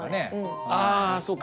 ああそうか！